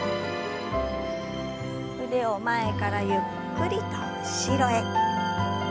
腕を前からゆっくりと後ろへ。